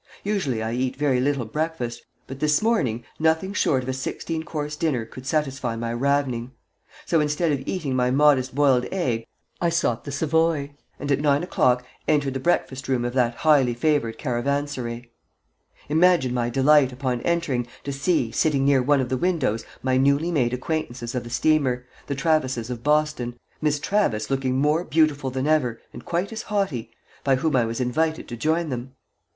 Usually I eat very little breakfast, but this morning nothing short of a sixteen course dinner could satisfy my ravening; so instead of eating my modest boiled egg, I sought the Savoy, and at nine o'clock entered the breakfast room of that highly favored caravansary. Imagine my delight, upon entering, to see, sitting near one of the windows, my newly made acquaintances of the steamer, the Travises of Boston, Miss Travis looking more beautiful than ever and quite as haughty, by whom I was invited to join them.